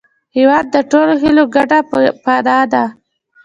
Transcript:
هېواد د ټولو هیلو ګډه پناه ده.